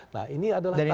nah ini adalah taruhan